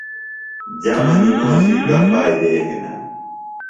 جمہ نِموسی گہ فائدے ہِنہ؟